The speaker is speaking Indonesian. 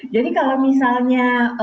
jadi kalau misalnya